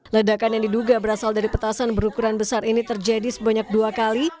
ledakan yang diduga berasal dari petasan berukuran besar ini terjadi sebanyak dua kali